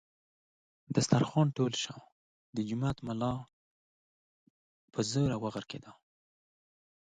دسترخوان ټول شو، د جومات ملا اوږد ټېغ ویست.